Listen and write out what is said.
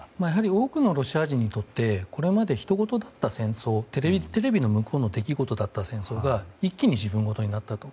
多くのロシア人にとってこれまで、ひとごとだったテレビの向こうの出来事だった戦争が一気に自分事になったと。